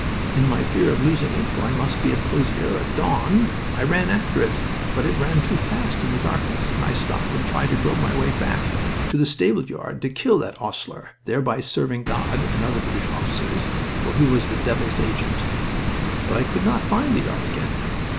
In my fear of losing it for I must be at Pozieres at dawn I ran after it, but it ran too fast in the darkness, and I stopped and tried to grope my way back to the stableyard to kill that 'ostler, thereby serving God, and other British officers, for he was the devil's agent. But I could not find the yard again.